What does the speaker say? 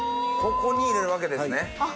ここに入れるわけですね。